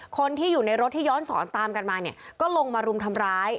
คนที่อยู่ในรถที่ย้อนสอนตามกันมาเนี่ยก็ลงมารุมทำร้าย